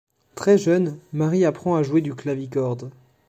Très jeune, Marie apprend à jouer du clavicorde.